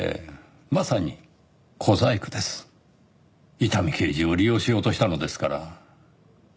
伊丹刑事を利用しようとしたのですから。